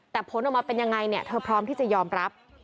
แต่ผลออกมาเป็นยังไงเนี่ยเธอพร้อมที่จะยอมรับ